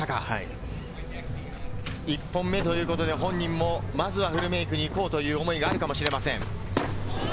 １本目ということで、本人もまずはフルメイクに行こうという思いがあるかもしれません。